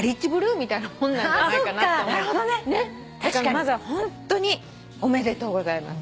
まずはホントにおめでとうございます。